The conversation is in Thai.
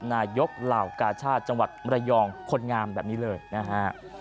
นายกเหล่ากาชาติจังหวัดมรยองคนงามแบบนี้เลยนะฮะ